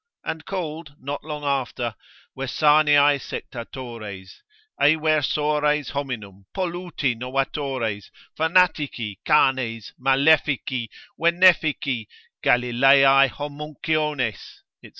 And called not long after, Vesaniae sectatores, eversores hominum, polluti novatores, fanatici, canes, malefici, venefici, Galilaei homunciones, &c.